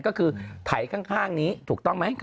ก็คือไถข้างนี้ถูกต้องไหม